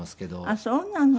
あっそうなの。